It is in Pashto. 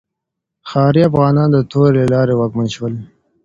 ښاري افغانان د تورې له لارې واکمن شول.